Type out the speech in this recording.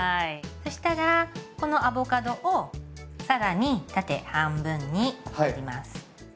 そしたらこのアボカドを更に縦半分に切ります。